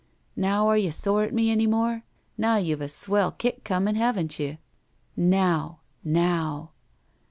Now are you sore at me any more? Now you've a swell kick coming, haven't you? Now! Now!"